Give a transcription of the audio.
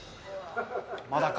まだか。